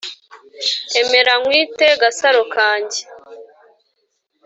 Emera nkwite gasaro kanjye